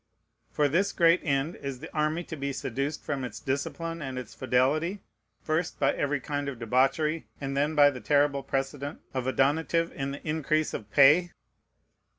For this great end is the army to be seduced from its discipline and its fidelity, first by every kind of debauchery, and then by the terrible precedent of a donative in the increase of pay?